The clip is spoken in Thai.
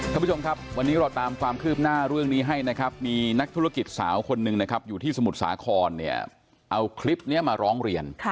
ท่านผู้ชมครับวันนี้เราตามความคืบหน้าเรื่องนี้ให้นะครับมีนักธุรกิจสาวคนหนึ่งนะครับอยู่ที่สมุทรสาครเนี่ยเอาคลิปนี้มาร้องเรียน